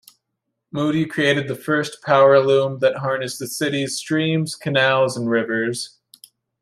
Moody created the first power loom that harnessed the city's streams, canals, and rivers.